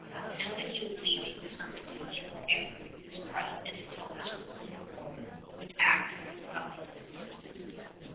Now that he was leaving the hermitage for ever this bright and intelligent little child would act as his guide and assistant.